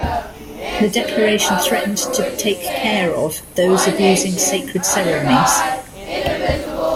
The declaration threatened to "take care of" those abusing sacred ceremonies.